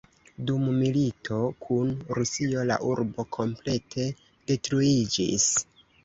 Dum milito kun Rusio, la urbo komplete detruiĝis.